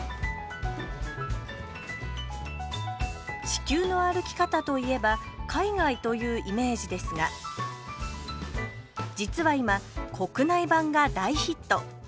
「地球の歩き方」といえば海外というイメージですが実は今国内版が大ヒット。